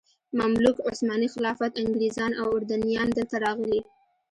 مملوک، عثماني خلافت، انګریزان او اردنیان دلته راغلي.